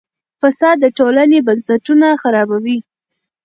فساد د ټولنې بنسټونه خرابوي.